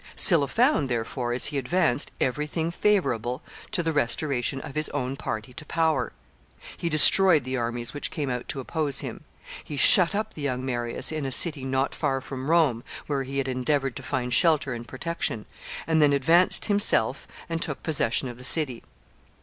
Sylla found, therefore, as he advanced, every thing favorable to the restoration of his own party to power. He destroyed the armies which came out to oppose him. He shut up the young Marius in a city not far from Rome, where he had endeavored to find shelter and protection, and then advanced himself and took possession of the city.